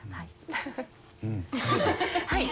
はい。